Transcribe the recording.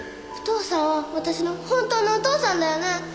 お父さんは私の本当のお父さんだよね？